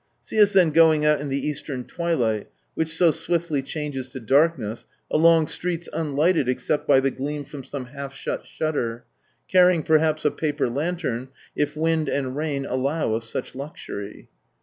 See us then going out in the Eastern twilight, which so swiftly changes to darkness, along streets unlighled except by the gleam from some half shut shutter, carrying perhaps a paper lantern, if wind and rain allow of such luxury.